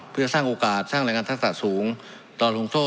เพื่อสร้างโอกาสสร้างแรงงานทักษะสูงตอนลงโซ่